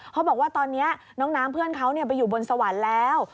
เขาบอกว่าตอนนี้น้องน้ำเพื่อนเขาไปอยู่บนสวรรค์แล้ว